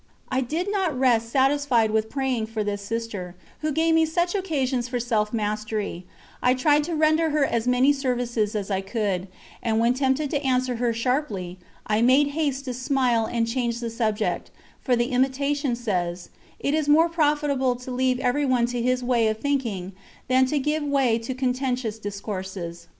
I did not rest satisfied with praying for this Sister, who gave me such occasions for self mastery, I tried to render her as many services as I could, and when tempted to answer her sharply, I made haste to smile and change the subject, for the Imitation says: "It is more profitable to leave everyone to his way of thinking than to give way to contentious discourses."